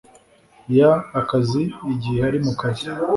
Y akazi igihe ari mu kazi